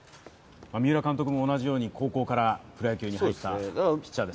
三浦監督も同じように高校からプロ野球に入ったピッチャーです。